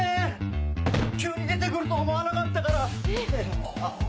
急に出て来ると思わなかったから！